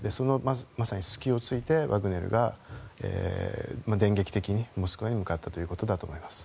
まさにその隙を突いてワグネルが電撃的にモスクワに向かったということだと思います。